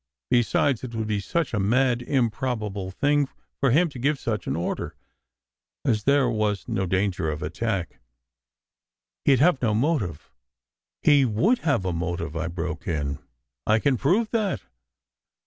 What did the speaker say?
Besides, it would be such a mad, im probable thing for him to give such an order, as there was no danger of attack. He d have no motive." "He would have a motive," I broke in. "I can prove that.